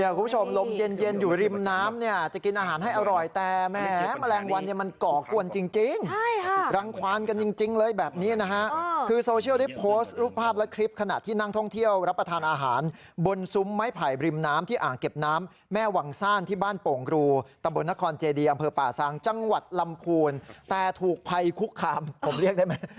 เดี๋ยวคุณผู้ชมลมเย็นอยู่ริมน้ำเนี่ยจะกินอาหารให้อร่อยแต่แม้แมลงวันเนี่ยมันก่อกวนจริงรังควรกันจริงเลยแบบนี้นะฮะคือโซเชียลที่โพสต์รูปภาพและคลิปขณะที่นั่งท่องเที่ยวรับประทานอาหารบนซุ้มไม้ไผลบริมน้ำที่อ่างเก็บน้ำแม่วังซ่านที่บ้านโป่งรูตะบลนครเจดีย